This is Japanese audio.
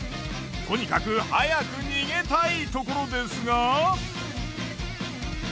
とにかく早く逃げたいところですが。